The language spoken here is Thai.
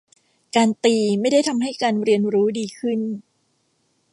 การตีไม่ได้ทำให้การเรียนรู้ดีขึ้น